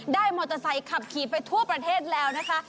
มอเตอร์ไซค์ขับขี่ไปทั่วประเทศแล้วนะคะ